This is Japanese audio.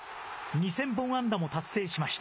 ２０００本安打も達成しました。